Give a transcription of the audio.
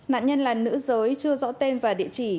nạn nhân là nữ giới chưa rõ tên và địa chỉ